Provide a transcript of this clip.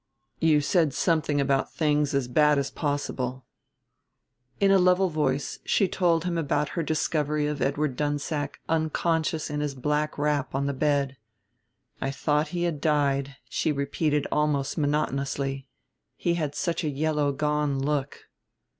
"You said something about things as bad as possible." In a level voice she told him about her discovery of Edward Dunsack unconscious in his black wrap on the bed. "I thought he had died," she repeated almost monotonously; "he had such a yellow gone look."